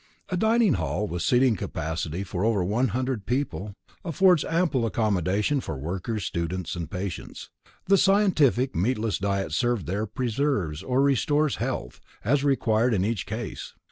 A Dining Hall with seating capacity for over one hundred people affords ample accommodation for workers, students, and patients. The scientific meatless diet served there preserves or restores health, as required in each case.